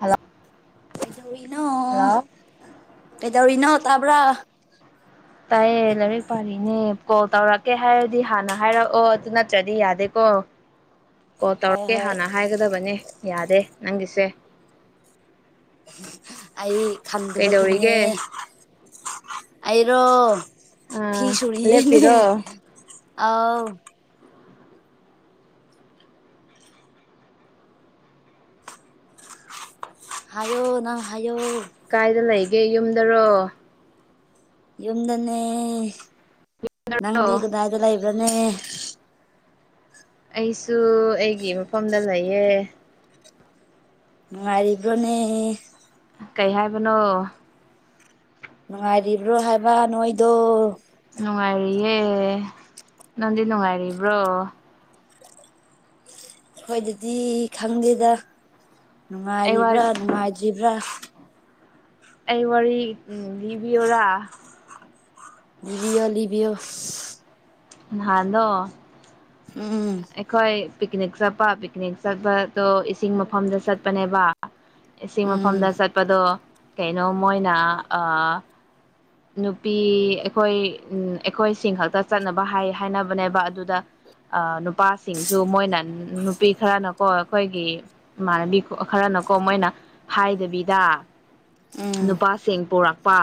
Hello. ꯀꯩꯗꯧꯔꯤꯅꯣ꯫ Hello. ꯀꯩꯗꯧꯔꯤꯅꯣ ꯇꯥꯕ꯭ꯔꯥ꯫ ꯇꯥꯏꯌꯦ ꯂꯥꯏꯔꯤꯛ ꯄꯥꯔꯤꯅꯦ ꯀꯣꯜ ꯇꯧꯔꯛꯀꯦ ꯍꯥꯏꯔꯗꯤ ꯍꯥꯟꯅ ꯍꯥꯏꯔꯛꯑꯣ ꯑꯗꯨ ꯅꯠꯇ꯭ꯔꯗꯤ ꯌꯥꯗꯦꯀꯣ꯫ [inaudible] ꯀꯣꯜ ꯇꯧꯔꯀꯦ ꯍꯣꯏ ꯍꯥꯟꯅ ꯍꯥꯏꯒꯗꯕꯅꯦ ꯌꯥꯗꯦ ꯅꯪꯒꯤꯁꯦ꯫ ꯑꯩ ꯈꯪꯗꯕꯒꯤꯅꯦ ꯀꯩꯗꯧꯔꯤꯒꯦ ꯑꯩꯔꯣ ꯐꯤ ꯑꯥ ꯁꯨꯨꯔꯤꯌꯦꯅꯦ ꯂꯦꯞꯄꯤꯔꯣ ꯑꯥꯎ ꯍꯥꯏꯌꯣ ꯅꯪ ꯍꯥꯏꯌꯣ ꯀꯥꯏꯗ ꯂꯩꯒꯦ ꯌꯨꯝꯗꯔꯣ ꯌꯨꯝꯗꯅꯦ ꯑꯣ ꯅꯪꯗꯤ ꯀꯗꯥꯏꯗ ꯂꯩꯕ꯭ꯔꯅꯦ ꯑꯩꯁꯨ ꯑꯩꯒꯤ ꯃꯐꯝꯗ ꯂꯩꯌꯦ ꯅꯨꯉꯥꯏꯔꯤꯕ꯭ꯔꯣꯅꯦ ꯀꯩ ꯍꯥꯏꯕꯅꯣ ꯅꯨꯡꯉꯥꯏꯔꯤꯕ꯭ꯔꯣ ꯍꯥꯏꯕ ꯅꯣꯏꯗꯣ ꯅꯨꯡꯉꯥꯏꯔꯤꯌꯦ ꯅꯪꯗꯤ ꯅꯨꯡꯉꯥꯏꯔꯤꯕ꯭ꯔꯣ ꯈꯣꯏꯗꯗꯤ ꯈꯪꯗꯦꯗ ꯑꯩ ꯋꯥ ꯅꯨꯡꯉꯥꯏꯔꯤꯕ꯭ꯔꯥ ꯅꯨꯡꯉꯥꯏꯗ꯭ꯔꯤꯕ꯭ꯔꯥ ꯑꯩ ꯋꯥꯔꯤ ꯂꯤꯕꯤꯌꯣꯔꯥ ꯂꯤꯕꯤꯌꯣ ꯂꯤꯕꯤꯌꯣ ꯅꯍꯥꯟꯗꯣ ꯎꯝ ꯑꯩꯈꯣꯏ ꯄꯤꯀꯤꯅꯤꯛ ꯆꯠꯄ ꯄꯤꯀꯤꯅꯤꯛ ꯆꯠꯄꯗꯣ ꯏꯁꯤꯡ ꯃꯐꯝꯗ ꯆꯠꯄꯅꯦꯕ ꯏꯁꯤꯡ ꯎꯝ ꯃꯐꯝꯗ ꯆꯠꯄꯗꯣ ꯀꯩꯅꯣ ꯃꯣꯏꯅ ꯑꯥ ꯅꯨꯄꯤ ꯑꯩꯈꯣꯏ ꯎꯝ ꯑꯩꯈꯣꯏꯁꯤꯡ ꯈꯛꯇ ꯆꯠꯅꯕ ꯍꯥꯏ ꯍꯥꯏꯅꯕꯅꯦꯕ ꯑꯗꯨꯗ ꯑꯥ ꯅꯨꯄꯥꯁꯤꯡꯁꯨ ꯃꯣꯏꯅ ꯅꯨꯄꯤ ꯈꯔꯅꯀꯣ ꯑꯈꯣꯏꯒꯤ ꯏꯃꯥꯟꯅꯕꯤ ꯈꯣ ꯈꯔꯅꯀꯣ ꯃꯣꯏꯅ ꯍꯥꯏꯗꯕꯤꯗ ꯎꯝ ꯅꯨꯄꯥꯁꯤꯡ ꯄꯨꯔꯛꯄ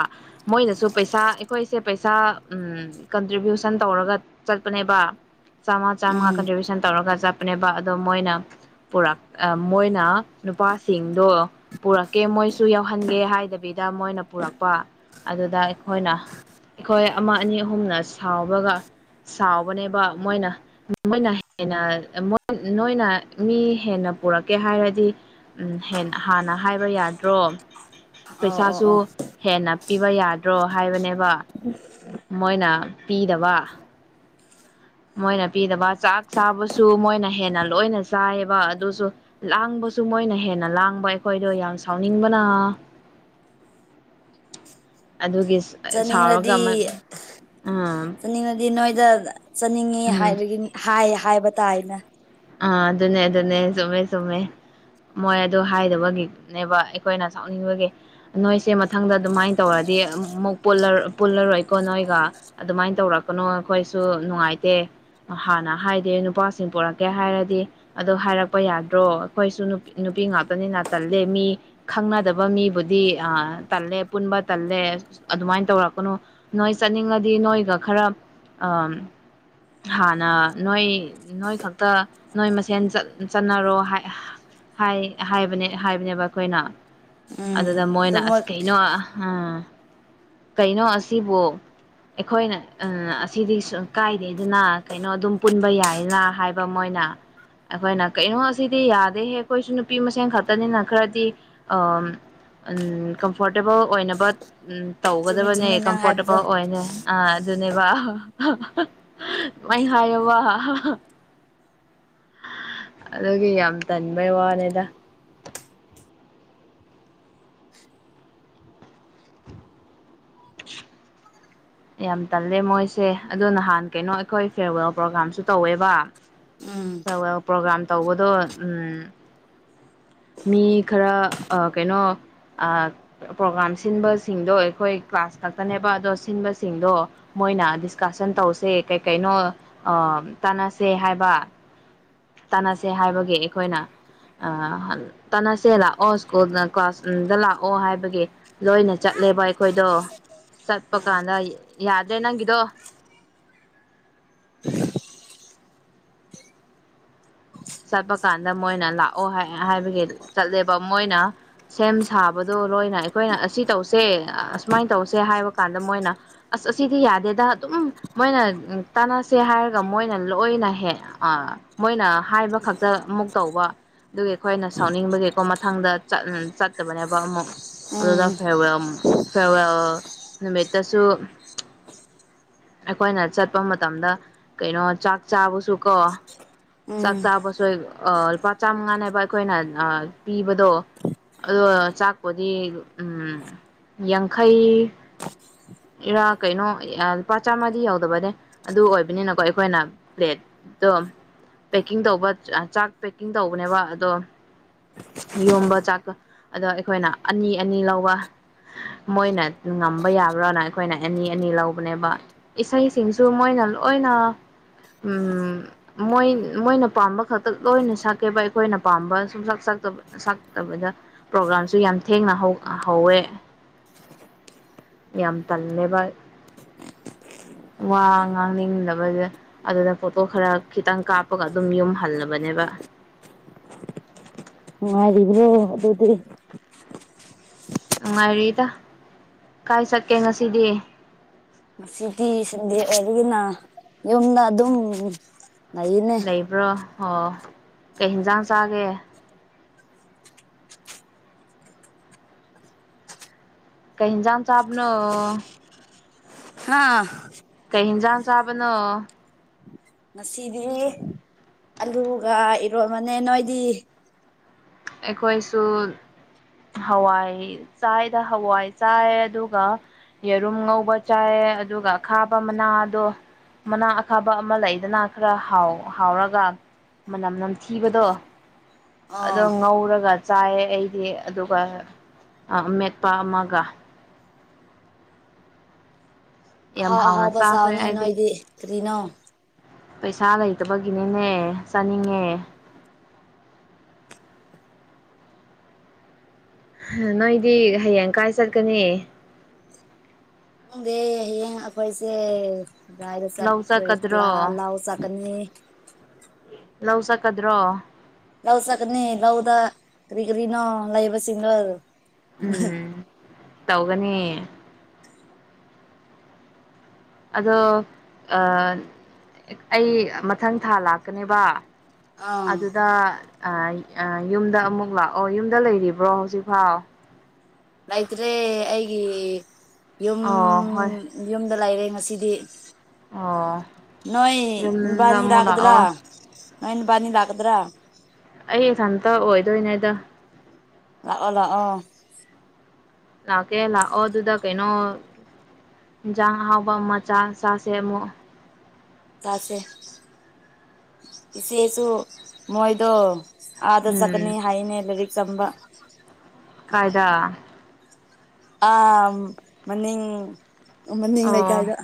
ꯃꯣꯏꯅꯁꯨ ꯄꯩꯁꯥ ꯑꯩꯈꯣꯏꯁꯦ ꯄꯩꯁꯥ ꯎꯝ ꯀꯟꯇ꯭ꯔꯤꯕ꯭ꯌꯨꯁꯟ ꯇꯧꯔꯒ ꯆꯠꯄꯅꯦꯕ ꯆꯥꯝꯉꯥ ꯆꯥꯝꯉꯥ ꯎꯝ ꯀꯟꯇ꯭ꯔꯤꯕ꯭ꯌꯨꯁꯟ ꯇꯧꯔꯒ ꯆꯠꯄꯅꯦꯕ ꯑꯗꯣ ꯃꯣꯏꯅ ꯄꯨꯔꯛ ꯑꯥ ꯃꯣꯏꯅ ꯅꯨꯄꯥꯁꯤꯡꯗꯣ ꯄꯨꯔꯛꯀꯦ ꯃꯣꯏꯁꯨ ꯌꯥꯎꯍꯟꯒꯦ ꯍꯥꯏꯗꯕꯤꯗ ꯃꯣꯏꯅ ꯄꯨꯔꯛꯄ ꯑꯗꯨꯗ ꯑꯩꯈꯣꯏꯅ ꯑꯩꯈꯣꯏ ꯑꯃ ꯑꯅꯤ ꯑꯍꯨꯝꯅ ꯁꯥꯎꯕꯒ ꯁꯥꯎꯕꯅꯦꯕ ꯃꯣꯏꯅ ꯃꯣꯏꯅ ꯍꯦꯟꯅ ꯃꯣ ꯅꯣꯏꯅ ꯃꯤ ꯍꯦꯟꯅ ꯄꯨꯔꯛꯀꯦ ꯍꯥꯏꯔꯗꯤ ꯎꯝ ꯍꯦꯟ ꯍꯥꯟꯅ ꯍꯥꯏꯕ ꯌꯥꯗ꯭ꯔꯣ ꯑꯣ ꯑꯣ ꯄꯩꯁꯥꯁꯨ ꯑꯣ ꯍꯦꯟꯅ ꯄꯤꯕ ꯌꯥꯗ꯭ꯔꯣ ꯍꯥꯏꯕꯅꯦꯕ [unintelligible] ꯃꯣꯏꯅ ꯄꯤꯗꯕ ꯃꯣꯏꯅ ꯄꯤꯗꯕ ꯆꯥꯛ ꯆꯥꯕꯁꯨ ꯃꯣꯏꯅ ꯍꯦꯟꯅ ꯂꯣꯏꯅ ꯆꯥꯔꯦꯕ ꯑꯗꯨꯁꯨ ꯂꯥꯡꯕꯁꯨ ꯃꯣꯏꯅ ꯍꯦꯟꯅ ꯂꯥꯡꯕ ꯑꯩꯈꯣꯏꯗꯣ ꯌꯥꯝ ꯁꯥꯎꯅꯤꯡꯕꯅ [inaudible] ꯑꯗꯨꯒꯤ ꯁꯥ ꯁꯥꯎꯔꯒ ꯆꯠꯅꯤꯡꯔꯗꯤ ꯑꯃ ꯑꯝ [unintelligible] ꯅꯣꯏꯗ ꯆꯠꯅꯤꯡꯉꯤ ꯍꯥꯏꯔꯒꯤꯟ ꯍꯥꯏ ꯍꯥꯏꯕ ꯇꯥꯥꯏꯌꯦꯅ ꯑꯥ ꯑꯗꯨꯅꯦ ꯑꯗꯨꯅꯦ ꯆꯨꯝꯃꯦ ꯆꯨꯝꯃꯦ ꯃꯣꯏ ꯑꯗꯨ ꯍꯥꯏꯗꯕꯒꯤꯅꯦꯕ ꯑꯩꯈꯣꯏꯅ ꯁꯥꯎꯅꯤꯡꯕꯒꯤ ꯅꯣꯏꯁꯦ ꯃꯊꯪꯗ ꯑꯗꯨꯃꯥꯏꯅ ꯇꯧꯔꯗꯤ ꯑꯃꯨꯛ ꯄꯨꯜꯂꯔꯣꯏ ꯄꯨꯜꯂꯔꯣꯏꯀꯣ ꯅꯣꯏꯒ ꯑꯗꯨꯃꯥꯏꯅ ꯇꯧꯔꯛꯀꯅꯨ ꯑꯩꯈꯣꯏꯁꯨ ꯅꯨꯡꯉꯥꯏꯇꯦ ꯍꯥꯟꯅ ꯍꯥꯏꯗꯦ ꯅꯨꯄꯥꯁꯤꯡ ꯄꯣꯔꯛ ꯀꯦ ꯍꯥꯏꯔꯗꯤ ꯑꯗꯣ ꯍꯥꯏꯔꯛꯄ ꯌꯥꯗ꯭ꯔꯣ ꯑꯩꯈꯣꯏꯁꯨ ꯅꯨꯄꯤ ꯉꯥꯛꯇꯅꯤꯅꯥ ꯇꯜꯂꯤ ꯃꯤ ꯈꯪꯅꯗꯕ ꯃꯤꯕꯨꯗꯤ ꯑꯥ ꯇꯜꯂꯦ ꯄꯨꯟꯕ ꯇꯜꯂꯦ ꯑꯗꯨꯃꯥꯏꯅ ꯇꯧꯔꯛꯀꯅꯣ ꯅꯣꯏ ꯆꯠꯅꯤꯡꯉꯗꯤ ꯅꯣꯏꯒ ꯈꯔ ꯑꯥ ꯍꯥꯟꯅ ꯅꯣꯏ ꯅꯣꯏꯈꯛ ꯇꯥ ꯅꯣꯏ ꯃꯁꯦꯟ ꯆꯠ ꯆꯠꯅꯔꯣ ꯍꯥ ꯍꯥꯏ ꯍꯥꯏ ꯍꯥꯏꯕꯅꯦ ꯍꯥꯏꯕꯅꯦꯕ ꯑꯩꯈꯣꯏꯅ ꯎꯝ ꯑꯗꯨꯗ ꯑꯗꯣ ꯃꯣꯏꯅ ꯃꯣꯏ ꯑꯁ ꯀꯩꯅꯣ ꯑꯝ ꯀꯩꯅꯣ ꯑꯁꯤꯕꯨ ꯑꯩꯈꯣꯏꯅ ꯑꯁꯤꯗꯤ ꯀꯥꯏꯗꯦꯗꯅ ꯀꯩꯅꯣ ꯑꯗꯨꯝ ꯄꯨꯟꯕ ꯌꯥꯏꯌꯦꯅ ꯍꯥꯏ ꯃꯣꯏꯅꯥ ꯑꯩꯈꯣꯏꯅ ꯀꯩꯅꯣ ꯑꯁꯤꯗꯤ ꯌꯥꯗꯦꯍꯦ ꯑꯩꯈꯣꯏꯁꯨ ꯅꯨꯄꯤ ꯃꯁꯦꯟ ꯈꯛꯇꯅꯤꯅ ꯈꯔꯗꯤ ꯑꯝ ꯎꯝ ꯀꯝꯐꯣꯔꯇꯦꯕꯜ ꯑꯣꯏꯅꯕ ꯆꯨꯝꯃꯤ ꯇꯧꯒꯗꯕꯅꯦ ꯆꯨꯝꯃꯤ ꯅꯪ ꯍꯥꯏꯕꯗꯣ ꯀꯝꯐꯣꯔꯇꯦꯕꯜ ꯑꯣꯏꯅ ꯑ ꯑꯗꯨꯅꯦꯕ ꯃꯩ ꯍꯥꯏꯌꯣꯕ ꯑꯗꯨꯒꯤ ꯌꯥꯝ ꯇꯟꯕꯩ ꯋꯥꯅꯤꯗ [unintelligible] ꯌꯥꯝ ꯇꯜꯂꯦ ꯃꯣꯏꯁꯦ ꯑꯗꯣ ꯅꯍꯥꯟ ꯀꯩꯅꯣ ꯑꯩꯈꯣꯏ ꯐꯦꯔꯋꯦꯜ ꯄ꯭ꯔꯣꯒꯥꯥꯝꯁꯨ ꯇꯧꯋꯦꯕ ꯎꯝ ꯐꯦꯔꯋꯦꯜ ꯄ꯭ꯔꯣꯒꯥ꯭ꯔꯥꯝ ꯇꯧꯕꯗꯣ ꯎꯝ ꯃꯤ ꯈꯔ ꯑ ꯀꯩꯅꯣ ꯑ ꯄ꯭ꯔꯣꯒꯥꯝ ꯁꯤꯟꯕꯁꯤꯡꯗꯣ ꯑꯩꯈꯣꯏ ꯀ꯭ꯂꯥꯁ ꯈꯛꯇꯅꯦꯕ ꯑꯗꯣ ꯁꯤꯟꯕꯁꯤꯡꯗꯣ ꯃꯣꯏꯅ ꯗꯤꯁꯀꯁꯟ ꯇꯧꯁꯦ ꯀꯩ ꯀꯩꯅꯣ ꯑ ꯇꯥꯟꯅꯁꯦ ꯍꯥꯏꯕ ꯇꯥꯟꯅꯁꯦ ꯍꯥꯏꯕꯒꯤ ꯑꯩꯈꯣꯏꯅ ꯑ ꯇꯅꯁꯦ ꯂꯥꯛꯑꯣ ꯁ꯭ꯀꯨꯜ ꯏ ꯀ꯭ꯂꯥꯁ ꯑꯝ ꯗ ꯂꯥꯛꯑꯣ ꯍꯥꯏꯕꯒꯤ ꯂꯣꯏꯅ ꯆꯠꯂꯦꯕ ꯑꯩꯈꯣꯏꯗꯣ ꯆꯠꯄ ꯀꯥꯟꯗ ꯌꯥꯗ꯭ꯔꯦ ꯅꯪꯒꯤꯗꯣ ꯆꯠꯄ ꯀꯥꯟꯗ ꯃꯣꯏꯅ ꯂꯥꯛꯑꯣ ꯍꯥꯏ ꯍꯥꯏꯕꯒꯤ ꯆꯠꯂꯦꯕ ꯃꯣꯏꯅ ꯁꯦꯝ ꯁꯥꯕꯗꯣ ꯂꯣꯏꯅ ꯑꯩꯈꯣꯏꯅ ꯑꯁꯤ ꯇꯧꯁꯦ ꯑꯁꯨꯃꯥꯏꯅ ꯇꯧꯁꯦ ꯍꯥꯏꯕ ꯀꯥꯟꯗ ꯃꯣꯏꯅ ꯑꯁ ꯑꯁꯤꯗꯤ ꯌꯥꯗꯦꯗ ꯑꯗꯨꯝ ꯃꯣꯏꯅ ꯇꯥꯟꯅꯁꯦ ꯍꯥꯏꯔꯒ ꯃꯣꯏꯅ ꯂꯣꯏꯅ ꯍꯦꯛ ꯑ ꯃꯣꯏꯅ ꯍꯥꯏꯕ ꯈꯛꯇ ꯑꯃꯨꯛ ꯇꯧꯕ ꯑꯗꯨꯒꯤ ꯑꯩꯈꯣꯏꯅ ꯁꯥꯎꯅꯤꯡꯕꯒꯤꯀꯣ ꯃꯊꯪꯗ ꯆꯠ ꯆꯠꯇꯕꯅꯦꯕ ꯑꯃꯨꯛ ꯑꯗꯨꯅ ꯎꯝ ꯐꯦꯋꯦꯜ ꯐꯦꯔꯋꯦꯜ ꯅꯨꯃꯤꯠꯇꯁꯨ ꯑꯩꯈꯣꯏꯅ ꯆꯠꯄ ꯃꯇꯝꯗ ꯀꯩꯅꯣ ꯆꯥꯛ ꯆꯥꯕꯁꯨ ꯀꯣ ꯆꯥꯛ ꯎꯝ ꯆꯥꯕꯁꯨ ꯑ ꯂꯨꯄꯥ ꯆꯥꯝꯃꯉꯥꯅꯦꯕ ꯑ ꯑꯩꯈꯣꯏꯅ ꯄꯤꯕꯗꯣ ꯑꯗꯣ ꯆꯥꯛꯄꯨꯗꯤ ꯎꯝ ꯌꯥꯡꯈꯩ ꯏꯔꯥ ꯀꯩꯅꯣ ꯂꯨꯄꯥ ꯆꯥꯝꯃꯗꯤ ꯌꯥꯎꯗꯕꯅꯦ ꯑꯗꯨ ꯑꯣꯏꯕꯅꯤꯅꯀꯣ ꯑꯩꯈꯣꯏꯅ ꯄ꯭ꯂꯦꯠꯇꯣ ꯄꯦꯛꯀꯤꯡ ꯇꯧꯕ ꯆꯥꯛ ꯄꯦꯛꯀꯤꯡ ꯇꯧꯕꯅꯦꯕ ꯑꯗꯣ ꯌꯣꯝꯕ ꯆꯥꯛ ꯑꯗꯨ ꯑꯩꯈꯣꯏꯅ ꯑꯅꯤ ꯑꯅꯤ ꯂꯧꯕ ꯃꯣꯏꯅ ꯉꯝꯕ ꯌꯥꯕ꯭ꯔꯥꯅ ꯑꯩꯈꯣꯏꯅ ꯑꯅꯤ ꯑꯅꯤ ꯂꯧꯕꯅꯦꯕ ꯏꯁꯩꯁꯤꯡꯁꯨ ꯃꯣꯏꯅ ꯂꯣꯏꯅ ꯃꯣꯏ ꯃꯣꯏꯅ ꯄꯥꯝꯕ ꯈꯛꯇꯛ ꯂꯣꯏꯅ ꯁꯛꯀꯦꯕ ꯑꯩꯈꯣꯏꯅ ꯄꯥꯝꯕ ꯁꯨꯝ ꯁꯛ ꯁꯛꯇ ꯁꯛꯇꯕꯗ ꯄ꯭ꯔꯣꯒꯥꯝꯁꯨ ꯌꯥꯝ ꯊꯦꯡꯅ ꯍꯧ ꯍꯧꯋꯦ ꯍ [unintelligible] ꯌꯥꯝ ꯇꯜꯂꯦꯕ ꯋꯥ ꯉꯥꯡꯅꯤꯡꯗꯕꯁꯦ ꯑꯗꯨꯗ ꯐꯣꯇꯣ ꯈꯔ ꯈꯤꯇꯪ ꯀꯥꯞ ꯄꯒ ꯑꯗꯨꯝ ꯌꯨꯝ ꯍꯜꯂꯕꯅꯦꯕ ꯅꯨꯡꯉꯥꯏꯔꯤꯕ꯭ꯔꯣ ꯑꯗꯨꯗꯤ ꯅꯨꯡꯉꯥꯏꯔꯤꯗ ꯀꯥꯏ ꯆꯠꯀꯦ ꯉꯁꯤꯗꯤ ꯃꯁꯤꯗꯤ ꯁꯤꯟꯗꯤ ꯁꯟꯗꯦ ꯑꯣꯏꯅꯤꯅ ꯌꯨꯝꯗ ꯑꯗꯨꯝ ꯂꯩꯅꯦ ꯕ꯭ꯔꯣ ꯍꯣ ꯀꯩ ꯍꯤꯟꯖꯥꯡ ꯆꯥꯒꯦ ꯀꯩ ꯏꯟꯖꯥ ꯆꯥꯕꯅꯣ ꯍꯥꯥ ꯀꯩ ꯍꯤꯟꯖꯥꯡ ꯆꯥꯕꯅꯣ ꯉꯁꯤꯗꯤ ꯑꯂꯨꯒ ꯏꯔꯣꯟꯕꯅꯦ ꯅꯣꯏꯗꯤ ꯑꯦꯈꯣꯏꯁꯨ ꯍꯋꯥꯏ ꯆꯥꯏꯗ ꯍꯋꯥꯏ ꯆꯥꯏ ꯑꯗꯨꯒ ꯌꯦꯔꯨꯝ ꯉꯧꯕ ꯆꯥꯏꯌꯦ ꯑꯗꯨꯒ ꯑꯈꯥꯕ ꯃꯅꯥꯗꯣ ꯃꯅꯥ ꯑꯈꯥꯕ ꯑꯃ ꯂꯩꯗꯅ ꯈꯔꯥ ꯍꯥꯎ ꯍꯥꯎꯔꯒ ꯃꯅꯝ ꯅꯝꯊꯤꯕꯗꯣ ꯑꯣ ꯗꯣ ꯉꯧꯔꯒ ꯆꯥꯏꯌꯦ ꯑꯩꯗꯤ ꯑꯗꯨꯒ ꯑꯥ ꯃꯦꯠꯄ ꯑꯃꯒ ꯌꯥꯝ ꯑꯥꯍꯥꯎ ꯍꯥꯎꯅ ꯍꯥꯎꯕ ꯆꯥꯈ꯭ꯔꯦ ꯆꯥꯎꯅꯦ ꯑꯩꯗꯤ ꯅꯣꯏꯗꯤ ꯀꯔꯤꯅꯣ ꯄꯩꯁꯥ ꯂꯩꯇꯕꯒꯤꯅꯤꯅꯦ ꯆꯥꯅꯤꯡꯉꯦ ꯅꯣꯏꯗꯤ ꯍꯌꯦꯡ ꯀꯥꯏ ꯆꯠꯀꯅꯤ ꯈꯪꯗꯦ ꯍꯌꯦꯡ ꯑꯩꯈꯣꯏꯁꯦ ꯀꯗꯨꯥꯏꯗ ꯂꯧ ꯆꯠꯇꯣꯏ ꯂꯥ ꯆꯠꯀꯗ꯭ꯔꯣ ꯂꯧ ꯆꯥꯛꯀꯅꯤ ꯂꯧ ꯆꯠꯀꯗ꯭ꯔꯣ ꯂꯧ ꯆꯠꯀꯅꯤ ꯂꯧꯗ ꯀꯔꯤ ꯀꯔꯤꯅꯣ ꯂꯩꯕ ꯁꯤꯡꯗꯣ ꯎꯝ ꯇꯧꯒꯅꯤ ꯑꯗꯣ ꯑꯥ ꯑꯩ ꯃꯊꯪ ꯊꯥ ꯂꯥꯛꯀꯅꯦꯕ ꯑꯥ ꯑꯗꯨꯗ ꯑ ꯑ ꯌꯨꯝꯗ ꯑꯃꯨꯛ ꯂꯥꯛꯑꯣ ꯌꯨꯝꯗ ꯂꯩꯔꯤꯕ꯭ꯔꯣ ꯍꯧꯖꯤꯛ ꯐꯥꯎ ꯂꯩꯇ꯭ꯔꯦ ꯑꯩꯒꯤ ꯌꯨꯝ ꯑꯣ ꯍꯣꯏ ꯌꯨꯝꯗ ꯂꯩꯔꯦ ꯉꯁꯤꯗꯤ ꯑꯣ ꯅꯣꯏ ꯌꯨꯝꯗ ꯅꯨꯕꯥꯅꯤ ꯑꯃꯨꯛ ꯂꯥꯛꯀꯗ꯭ꯔꯥ ꯂꯥꯛꯑꯣ ꯅꯣꯏ ꯅꯨꯕꯥꯅꯤ ꯂꯥꯛꯗ꯭ꯔꯥ ꯑꯩ ꯏꯊꯟꯇ ꯑꯣꯏꯗꯣꯏꯅꯦꯗ ꯂꯥꯛꯑꯣ ꯂꯥꯛꯑꯣ ꯂꯥꯛꯀꯦ ꯂꯥꯛꯑꯣ ꯑꯗꯨꯗ ꯀꯩꯅꯣ ꯏꯟꯖꯥꯡ ꯑꯍꯥꯎꯕ ꯑꯃ ꯆꯥ ꯆꯥꯁꯦ ꯑꯃꯨꯛ ꯆꯥꯁꯦ ꯏꯆꯦꯁꯨ ꯃꯣꯏꯗꯣ ꯑꯥꯗ ꯎꯝ ꯆꯀꯅꯤ ꯍꯥꯏꯅꯦ ꯂꯔꯤꯛ ꯇꯝꯕ ꯀꯥꯏꯗ ꯑꯥ ꯃꯅꯤꯡ ꯃꯅꯤꯡ ꯑꯣ ꯂꯩꯀꯥꯏꯗ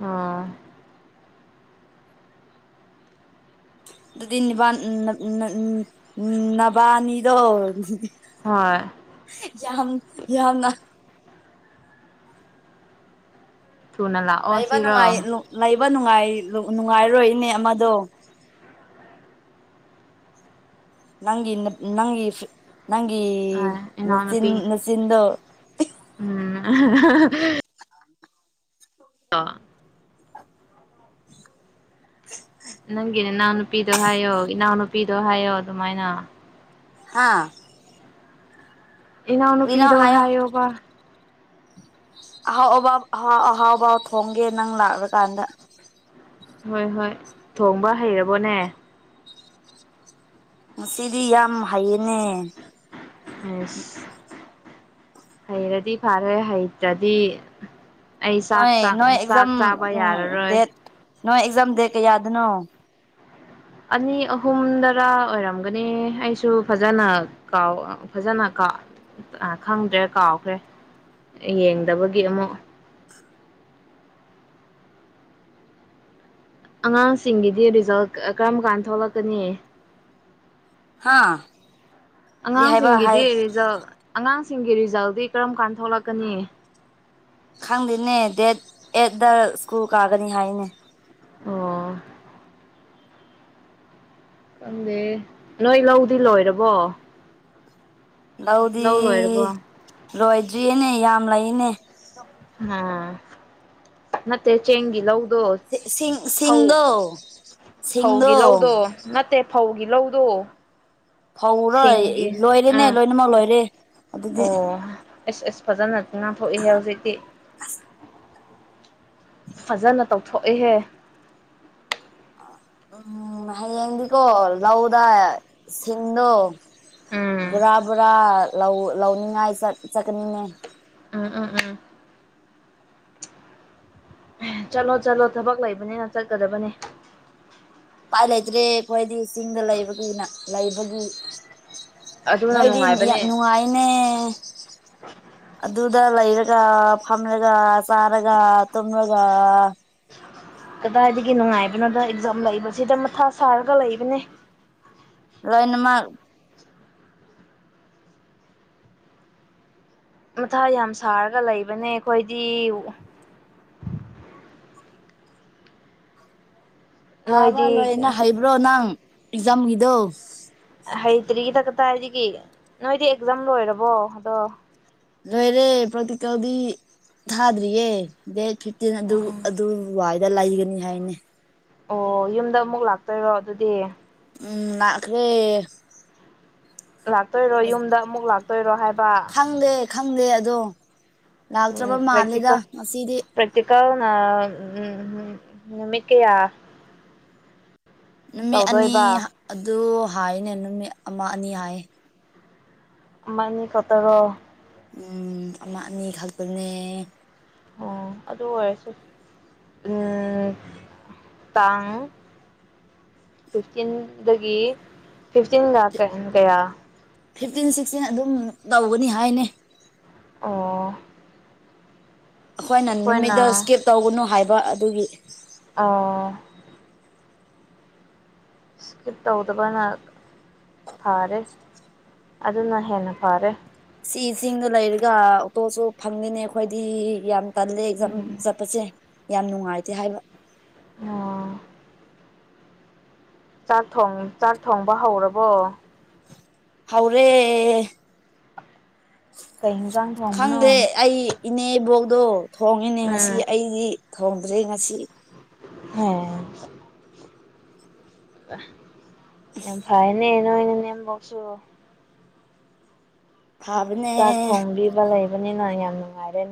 ꯑꯣ ꯑꯗꯨꯗꯤ ꯅꯤꯕꯥꯟ ꯅ ꯅ ꯅꯕꯥꯅꯤꯗꯣ ꯍꯣꯏ ꯌꯥꯝ ꯌꯥꯝꯅ ꯊꯨꯅ ꯂꯥꯎ ꯂꯩꯕ ꯅꯨꯡꯉꯥꯏ ꯂꯨ ꯂꯩꯕ ꯅꯨꯡꯉꯥꯏ ꯅꯨꯡꯉꯥꯏꯔꯔꯣꯏꯅꯦ ꯑꯃꯗꯣ ꯅꯪꯒꯤ ꯅꯪꯒꯤ ꯅꯪꯒꯤ ꯅꯆꯤꯟ ꯏꯅꯥꯎꯅꯨꯄꯤ ꯅꯆꯤꯟꯗꯣ ꯎꯝ [unintelligible] [unintelligible] ꯅꯪꯒꯤ ꯅꯅꯥꯎ ꯅꯨꯄꯤꯗꯣ ꯍꯥꯏꯌꯣ ꯏꯅꯥꯎ ꯅꯨꯄꯤꯗꯣ ꯍꯥꯏꯌꯣ ꯑꯗꯨꯃꯥꯏꯅ ꯍꯥꯥ ꯀꯔꯤꯅꯣ ꯏꯅꯥꯎꯅꯨꯄꯤꯗꯣ ꯍꯥꯏꯌꯣ ꯍꯥꯏꯌꯣꯕ ꯑꯍꯥꯎ ꯑꯕꯥ ꯑꯍꯥꯎ ꯑꯍꯥꯎꯕꯥ ꯊꯣꯡꯒꯦ ꯅꯪ ꯂꯥꯛꯂꯀꯥꯟꯗ ꯍꯣꯏ ꯍꯣꯏ ꯊꯣꯡꯕ ꯍꯩꯔꯕꯣꯅꯦ ꯉꯁꯤꯗꯤ ꯌꯥꯝ ꯍꯩꯌꯦꯅꯦ ꯑꯦꯁ ꯍꯩꯔꯗꯤ ꯐꯔꯦ ꯍꯩꯇ꯭ꯔꯗꯤ ꯑꯩ ꯆꯥꯛ ꯅꯣꯏ ꯆꯥꯛ ꯅꯣꯏ ꯑꯦꯛꯖꯥꯝ ꯆꯥꯛ ꯆꯥꯕ ꯎꯝ ꯌꯥꯔꯔꯣꯏ ꯗꯦꯠ ꯅꯣꯏ ꯑꯦꯛꯖꯥꯝ ꯗꯦꯠ ꯀꯌꯥꯗꯅꯣ ꯑꯅꯤ ꯑꯍꯨꯝꯗꯔ ꯑꯣꯏꯔꯝꯒꯅꯤ ꯑꯩꯁꯨ ꯐꯖꯅ ꯀꯥꯎ ꯐꯖꯅ ꯀꯥꯎ ꯑꯥ ꯈꯪꯗ꯭ꯔꯦ ꯀꯥꯎꯈ꯭ꯔꯦ ꯌꯦꯡꯗꯕꯒꯤ ꯑꯃꯨꯛ ꯑꯉꯥꯡꯁꯤꯡꯒꯤꯗꯤ ꯔꯤꯖꯜ ꯀꯔꯝ ꯀꯥꯟꯗ ꯊꯣꯛꯂꯛꯀꯅꯤ ꯍꯥ ꯀꯔꯤ ꯍꯥꯏꯕ ꯑꯉꯥꯡꯁꯤꯡꯒꯤꯗꯤ ꯍꯥꯏ ꯔꯤꯖꯜ ꯑꯉꯥꯡꯁꯤꯡꯒꯤ ꯔꯤꯖꯜꯗꯤ ꯀꯔꯝ ꯀꯥꯟ ꯊꯣꯛꯂꯛꯀꯅꯤ ꯈꯪꯗꯦꯅꯦ ꯗꯦꯠ ꯑꯦꯠ ꯗ ꯁ꯭ꯀꯨꯜ ꯀꯥꯒꯅꯤ ꯍꯥꯏꯅꯦ ꯑꯣ ꯈꯪꯗꯦ ꯅꯣꯏ ꯂꯧꯗꯤ ꯂꯣꯏꯔꯕꯣ ꯂꯧꯗꯤ ꯂꯧ ꯂꯣꯏꯔꯕꯣ ꯂꯣꯏꯗ꯭ꯔꯤꯌꯦꯅꯦ ꯌꯥꯝ ꯂꯩꯅꯦ ꯍꯥ ꯅꯠꯇꯦ ꯆꯦꯡꯒꯤ ꯂꯧꯗꯣ ꯁꯤꯡ ꯁꯤꯡ ꯐꯧ ꯁꯤꯡꯗꯣ ꯐꯧꯒꯤ ꯁꯤꯡꯗꯣ ꯂꯧꯗꯣ ꯅꯠꯇꯦ ꯐꯧꯒꯤ ꯂꯧꯗꯣ ꯐꯧꯔꯣ ꯁꯤꯡꯒꯤ ꯂꯣꯏꯔꯦꯅꯦ ꯑꯥ ꯂꯣꯏꯅꯃꯛ ꯂꯣꯏꯔꯦ ꯑꯗꯨꯗꯤ ꯑꯣ ꯑꯦꯁ ꯑꯁ ꯐꯖꯅ ꯉꯥꯝꯊꯣꯛꯏꯍꯦ ꯍꯧꯖꯤꯛꯇꯤ ꯑꯁ ꯐꯖꯅ ꯇꯧꯊꯣꯛꯏꯍꯦ ꯎꯝ ꯍꯌꯦꯡꯗꯤꯀꯣ ꯂꯧꯗ ꯁꯤꯡꯗꯣ ꯎꯝ ꯕꯣꯔꯥ ꯕꯣꯔꯥ ꯂꯧ ꯂꯧꯅꯤꯡꯉꯥꯏ ꯆꯠ ꯆꯠꯀꯅꯤꯅꯦ ꯎꯝ ꯎꯝ ꯎꯝ ꯑꯦ ꯆꯠꯂꯣ ꯆꯠꯂꯣ ꯊꯕꯛ ꯂꯩꯕꯅꯤꯅ ꯆꯠꯀꯗꯕꯅꯤ ꯎꯄꯥꯏ ꯂꯩꯇ꯭ꯔꯦ ꯑꯩꯈꯣꯏꯗꯤ ꯆꯤꯡꯗ ꯂꯩꯕꯒꯤꯅ ꯂꯩꯕꯒꯤ ꯑꯗꯨꯅ ꯅꯣꯏꯗꯤ ꯅꯨꯡꯉꯥꯏꯕꯅꯦ ꯅꯨꯡꯉꯥꯏꯅꯦ ꯑꯗꯨꯗ ꯂꯩꯔꯒ ꯐꯝꯂꯒ ꯆꯥꯔꯒ ꯇꯨꯝꯂꯒ ꯀꯗꯥꯏꯗꯒꯤ ꯅꯨꯡꯉꯥꯏꯕꯅꯣꯗ ꯑꯦꯛꯖꯥꯝ ꯂꯩꯕꯁꯤꯗ ꯃꯊꯥ ꯁꯥꯔꯒ ꯂꯩꯕꯅꯦ ꯂꯣꯏꯅꯃꯛ ꯃꯊꯥ ꯌꯥꯝ ꯁꯥꯔꯒ ꯂꯩꯕꯅꯦ ꯑꯩꯈꯣꯏꯗꯤ ꯊꯥꯕ ꯅꯣꯏꯗꯤ ꯂꯣꯏꯅ ꯍꯩꯕ꯭ꯔꯣ ꯅꯪ ꯑꯦꯛꯖꯥꯝꯒꯤꯗꯣ ꯍꯩꯇ꯭ꯔꯤꯗ ꯀꯗꯥꯏꯒꯤ ꯅꯣꯏꯗꯤ ꯑꯦꯛꯖꯥꯝ ꯂꯣꯏꯔꯕꯣ ꯑꯗꯣ ꯔꯣꯏꯔꯦ ꯄ꯭ꯔꯥꯇꯤꯀꯦꯟꯗꯤ ꯊꯥꯗ꯭ꯔꯤꯌꯦ ꯗꯦꯠ ꯐꯤꯐꯇꯤꯟ ꯑꯗꯨ ꯎꯝ ꯑꯗꯨꯋꯥꯏꯗ ꯂꯩꯒꯅꯤ ꯍꯥꯏꯅꯦ ꯑꯣ ꯌꯨꯝꯗ ꯑꯃꯨꯛ ꯂꯥꯛꯇꯣꯏꯔꯣ ꯑꯗꯨꯗꯤ ꯎꯝ ꯂꯥꯛꯈ꯭ꯔꯦ ꯂꯥꯛꯇꯣꯏꯔꯣ ꯌꯨꯝꯗ ꯑꯃꯨꯛ ꯂꯥꯛꯇꯣꯏꯔꯣ ꯍꯥꯏꯕ ꯈꯪꯗꯦ ꯈꯪꯗꯦ ꯑꯗꯣ ꯂꯥꯛꯇ꯭ꯔꯕ ꯎꯝ ꯃꯥꯜꯂꯦꯗ ꯄ꯭ꯔꯦꯛꯇꯤꯀꯦꯜ ꯉꯁꯤꯗꯤ ꯄ꯭ꯔꯦꯛꯇꯤꯀꯦꯜꯅ ꯑꯥ ꯅꯨꯃꯤꯠ ꯀꯌꯥ ꯅꯨꯃꯤꯠ ꯑꯅꯤ ꯇꯧꯗꯣꯏꯕ ꯑꯗꯨ ꯍꯥꯏꯅꯦ ꯅꯨꯃꯤꯠ ꯑꯃ ꯑꯅꯤ ꯍꯥꯏꯌꯦ ꯑꯃ ꯑꯅꯤꯈꯛꯇꯔꯣ ꯎꯝ ꯑꯃ ꯑꯅꯤꯈꯛꯇꯅꯦ ꯑꯣ ꯑꯗꯨ ꯑꯣꯏꯔꯁꯨ ꯎꯝ ꯇꯥꯡ ꯐꯤꯐꯇꯤꯟꯗꯒꯤ ꯐꯤꯐꯇꯤꯟꯒ ꯀꯌꯥ ꯐꯤꯞꯇꯤꯟ ꯁꯤꯛꯁꯇꯤꯟ ꯑꯗꯨꯝ ꯇꯧꯒꯅꯤ ꯍꯥꯏꯅꯦ ꯑꯣ ꯑꯩꯈꯣꯏꯅ ꯅꯨꯃꯤꯠꯇ ꯁ꯭ꯀꯦꯞ ꯇꯧꯒꯅꯨ ꯍꯥꯏꯕ ꯑꯗꯨꯒꯤ ꯑꯥ ꯏꯁꯀꯤꯞ ꯇꯧꯗꯕꯅ ꯐꯔꯦ ꯑꯗꯨꯅ ꯍꯦꯟꯅ ꯐꯔꯦ ꯁꯤ ꯆꯤꯡꯗ ꯂꯩꯔꯒ ꯑꯣꯛꯇꯣꯁꯨ ꯐꯪꯗꯦꯅꯦ ꯑꯩꯈꯣꯏꯗꯤ ꯌꯥꯝ ꯇꯜꯂꯦ ꯑꯦꯒꯖꯥꯝ ꯎꯝ ꯆꯠꯄꯁꯦ ꯌꯥꯝ ꯅꯨꯡꯉꯥꯏꯇꯦ ꯍꯥꯏꯕ ꯑꯣ ꯆꯥꯛ ꯊꯣꯉꯤ ꯆꯥꯛ ꯊꯣꯡꯕ ꯍꯧꯔꯕꯣ ꯍꯧꯔꯦ ꯀꯩ ꯍꯤꯟꯖꯥꯡ ꯈꯪꯗꯦ ꯊꯣꯡꯕꯅꯣ ꯑꯩ ꯏꯅꯦꯕꯣꯛꯗꯣ ꯊꯣꯡꯉꯦꯅꯦ ꯉꯁꯤ ꯎꯝ ꯑꯩꯗꯤ ꯊꯣꯡꯗ꯭ꯔꯦ ꯉꯁꯤ ꯍꯦ ꯌꯥꯝ ꯐꯩꯌꯦꯅꯦ ꯅꯣꯏ ꯅꯅꯦꯝꯕꯣꯛꯁꯨ ꯆꯥꯛ ꯊꯥꯕꯅꯦ ꯊꯣꯡꯕꯤꯕ ꯂꯩꯕꯅꯤꯅ ꯌꯥꯝ ꯅꯨꯡꯉꯥꯏꯔꯦꯅꯦ